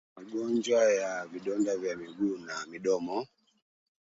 Magonjwa ya vidonda vya miguu na midomo